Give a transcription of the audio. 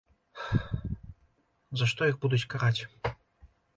За што іх будуць караць?